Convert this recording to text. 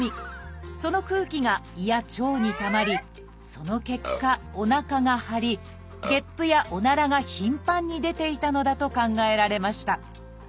その空気が胃や腸にたまりその結果おなかが張りゲップやおならが頻繁に出ていたのだと考えられました。